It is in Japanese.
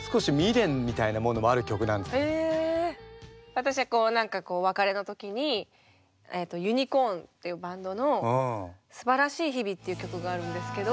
私お別れの時にユニコーンっていうバンドの「すばらしい日々」っていう曲があるんですけど。